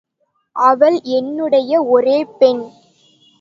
அவள் என்னுடைய ஒரே பெண்.